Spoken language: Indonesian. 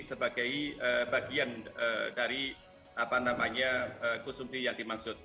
sebagai bagian dari konsumsi yang dimaksud